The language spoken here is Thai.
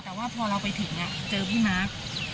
แต่ว่าพอเราไปถึงเจอพี่มาร์ค